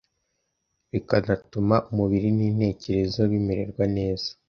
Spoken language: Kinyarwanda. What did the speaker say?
bikanatuma umubiri n’intekerezo bimererwa neza.